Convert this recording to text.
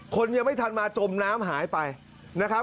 ยังไม่ทันมาจมน้ำหายไปนะครับ